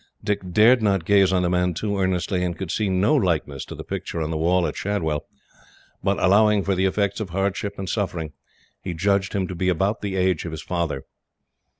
Dick dared not gaze on the man too earnestly, and could see no likeness to the picture on the wall at Shadwell; but, allowing for the effects of hardship and suffering, he judged him to be about the age of his father.